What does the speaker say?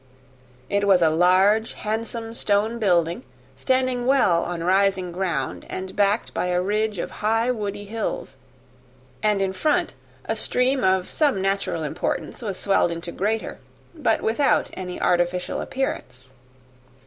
It was a large, handsome stone building, standing well on rising ground, and backed by a ridge of high woody hills; and in front a stream of some natural importance was swelled into greater, but without any artificial appearance.